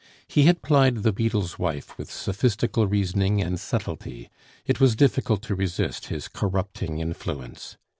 He had plied the beadle's wife with sophistical reasoning and subtlety. It was difficult to resist his corrupting influence.